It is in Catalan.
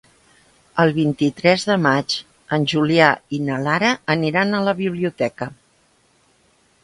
El vint-i-tres de maig en Julià i na Lara aniran a la biblioteca.